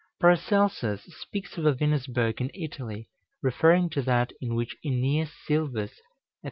Paracelsus speaks of a Venusberg in Italy, referring to that in which Æneas Sylvius (Ep.